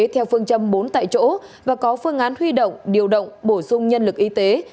theo phương châm bốn tại chỗ và có phương án huy động điều động bổ sung nhân lực y tế